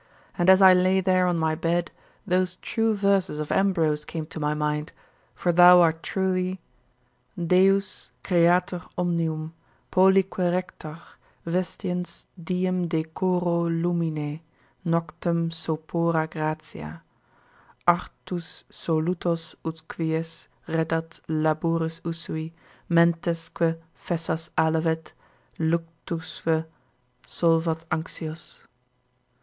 And as I lay there on my bed, those true verses of Ambrose came to my mind, for thou art truly, "Deus, creator omnium, Polique rector, vestiens Diem decoro lumine, Noctem sopora gratia; Artus solutos ut quies Reddat laboris usui Mentesque fessas allevet, Luctusque solvat anxios."